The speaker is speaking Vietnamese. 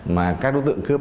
mà các đối tượng cướp